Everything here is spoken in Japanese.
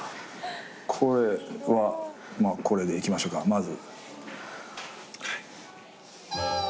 これはまぁこれで行きましょうかまず。